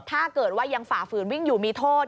ถ้าเกิดว่ายังฝ่าฝืนวิ่งอยู่มีโทษ